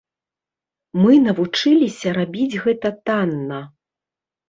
Мы навучыліся рабіць гэта танна.